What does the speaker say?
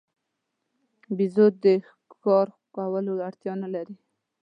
بیزو د ښکار کولو اړتیا نه لري.